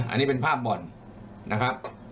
อันนี้เป็นภาพบ่อนนะครับ